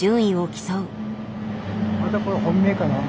またこれ本命かな。